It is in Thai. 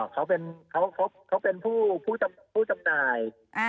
เขาเป็นผู้จำหน่าย